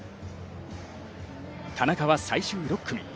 田中は最終６組。